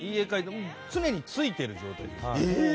常についている状態です。